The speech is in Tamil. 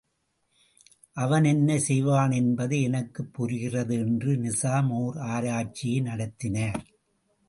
அவன் என்ன செய்வானென்பது எனக்குப் புரிகிறது என்று நிசாம் ஓர் ஆராய்ச்சியே நடத்தினார்.